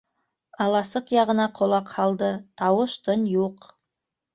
Аласыҡ яғына ҡолаҡ һалды - тауыш-тын юҡ.